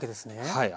はい。